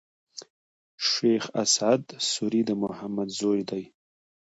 شېخ اسعد سوري د محمد زوی دﺉ.